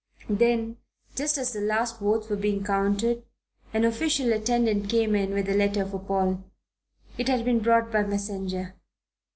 Then just as the last votes were being counted, an official attendant came in with a letter for Paul. It had been brought by messenger.